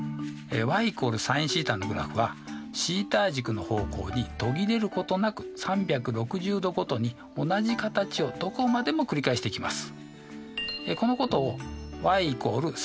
ｙ＝ｓｉｎθのグラフはθ軸の方向に途切れることなく３６０°ごとに同じ形をどこまでも繰り返していきます。